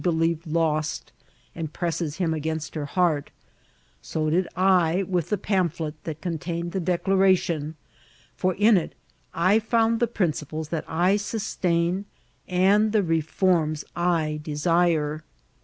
S45 believed lost, and presses him against her heart, so did I with the pamphlet that contained the declaration; for in it I fomid the principles that I sustain and the teiotmB I desire.''